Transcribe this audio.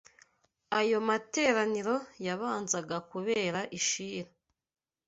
Ayo materaniro yabanzaga kubera i Shilo